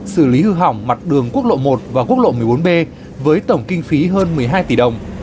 xử lý hư hỏng mặt đường quốc lộ một và quốc lộ một mươi bốn b với tổng kinh phí hơn một mươi hai tỷ đồng